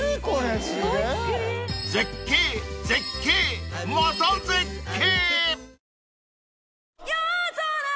［絶景絶景また絶景！］